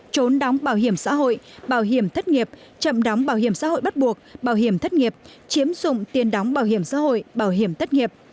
trốn đóng bảo hiểm xã hội bảo hiểm thất nghiệp chậm đóng bảo hiểm xã hội bắt buộc bảo hiểm thất nghiệp chiếm dụng tiền đóng bảo hiểm xã hội bảo hiểm thất nghiệp